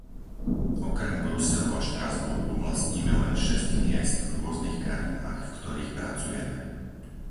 Okrem Bruselu a Štrasburgu vlastníme len šesť miest v rôznych krajinách, v ktorých pracujeme.